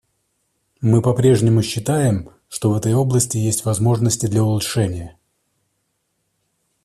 Мы попрежнему считаем, что в этой области есть возможности для улучшения.